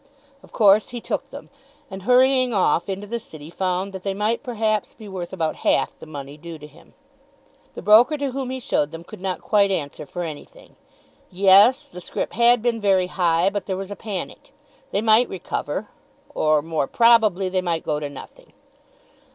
Of course he took them; and hurrying off into the City found that they might perhaps be worth about half the money due to him. The broker to whom he showed them could not quite answer for anything. Yes; the scrip had been very high; but there was a panic. They might recover, or, more probably, they might go to nothing.